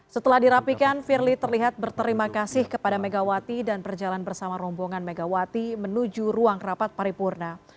setelah dirapikan firly terlihat berterima kasih kepada megawati dan berjalan bersama rombongan megawati menuju ruang rapat paripurna